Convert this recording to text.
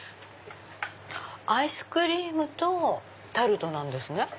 アイスクリームとタルトですね。